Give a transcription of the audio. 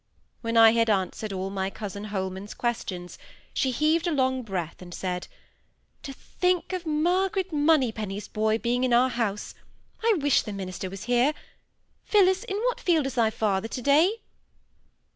When I had answered all my cousin Holman's questions, she heaved a long breath, and said, "To think of Margaret Moneypenny's boy being in our house! I wish the minister was here. Phillis, in what field is thy father to day?"